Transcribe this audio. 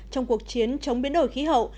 trong cuộc chiến chống biến đổi khí hậu